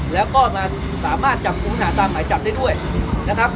แล้วก็มาสามารถจับกลุ่มผู้หาตามหมายจับได้ด้วยนะครับ